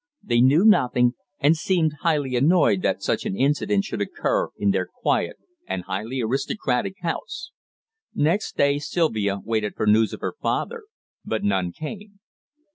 They knew nothing, and seemed highly annoyed that such an incident should occur in their quiet and highly aristocratic house. Next day Sylvia waited for news of her father, but none came.